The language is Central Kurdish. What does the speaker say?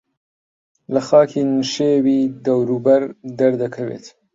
لە خاکی نشێوی دەوروبەر دەردەکەوێت